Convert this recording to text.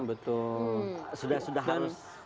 betul sudah harus